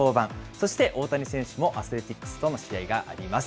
そして大谷選手もアスレティックスとの試合があります。